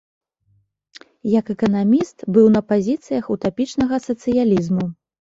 Як эканаміст быў на пазіцыях утапічнага сацыялізму.